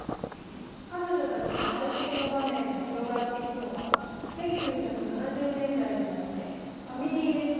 彼女たちの会食の場面が広がっていくのは１９７０年代になってファミリーレストラン